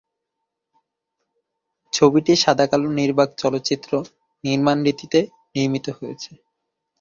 ছবিটি সাদাকালো নির্বাক চলচ্চিত্র নির্মাণ রীতিতে নির্মিত হয়েছে।